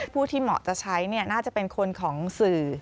ผู้ที่เหมาะจะใช้น่าจะเป็นคนของสื่อ